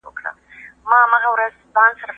فایبر د بدن له خوا هضم شو.